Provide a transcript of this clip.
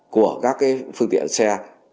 của các cái phương tiện xe